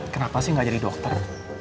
kenapa sih gak jadi dokter